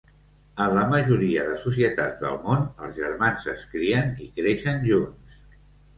En la majoria de societats del món, els germans es crien i creixen junts.